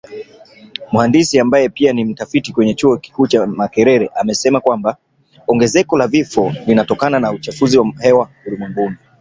Mhandisi ambaye pia ni mtafiti kwenye chuo kikuu cha Makerere amesema kwamba, ongezeko la vifo linatokana na uchafuzi wa hewa ulimwenguni